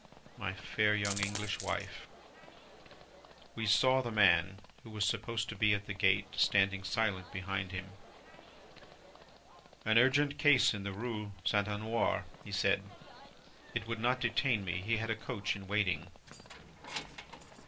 My fair young English wife! we saw the man, who was supposed to be at the gate, standing silent behind him. "An urgent case in the Rue St. Honore, he said. It would not detain me, he had a coach in waiting.